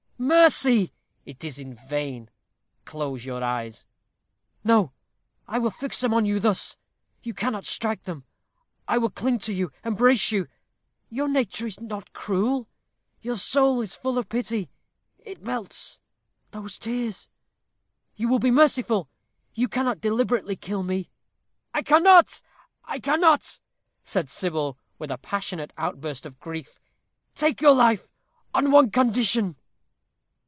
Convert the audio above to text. "Mercy!" "It is in vain. Close your eyes." "No, I will fix them on you thus you cannot strike then. I will cling to you embrace you. Your nature is not cruel your soul is full of pity. It melts those tears you will be merciful. You cannot deliberately kill me." "I cannot I cannot!" said Sybil, with a passionate outburst of grief. "Take your life on one condition."